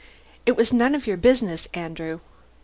It was none of your business, Andrew.